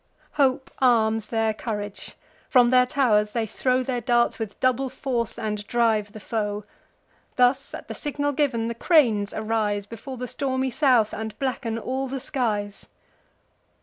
Hope arms their courage: from their tow'rs they throw Their darts with double force, and drive the foe. Thus, at the signal giv'n, the cranes arise Before the stormy south, and blacken all the skies.